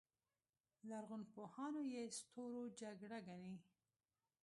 لرغونپوهان یې ستورو جګړه ګڼي